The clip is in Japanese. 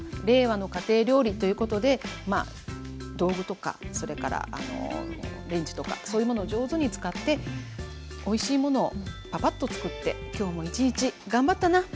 令和の家庭料理ということで道具とかそれからレンジとかそういうものを上手に使っておいしいものをパパッと作って今日も一日頑張ったな